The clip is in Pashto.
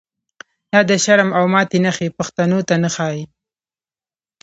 دا د شرم او ماتی نښی، پښتنو ته نه ښا ييږی